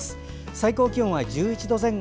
最高気温は１１度前後。